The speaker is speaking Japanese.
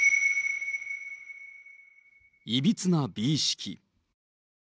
いびつな美意識。